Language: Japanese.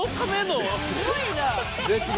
すごいな。